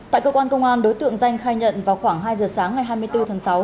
tại cơ quan công an đối tượng danh khai nhận vào khoảng hai giờ sáng ngày hai mươi bốn tháng sáu